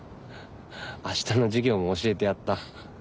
明日の授業も教えてやった。